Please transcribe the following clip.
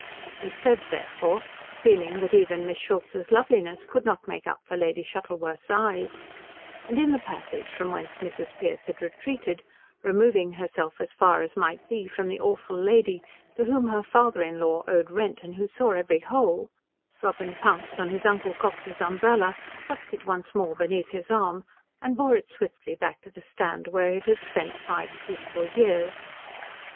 He fled therefore, feeling that even Miss Schultz's loveliness would not make up for Lady Shuttleworth's eyes; and in the passage, from whence Mrs. Pearce had retreated, removing herself as far as might be from the awful lady to whom her father in law owed rent and who saw every hole, Robin pounced on his Uncle Cox's umbrella, tucked is once more beneath his arm, and bore it swiftly back to the stand where it had spent five peaceful years.